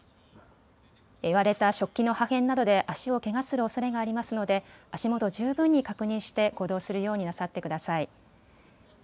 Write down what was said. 割れた食器の破片などで足をけがするおそれがありますので足元、十分に確認して行動するようになさってください。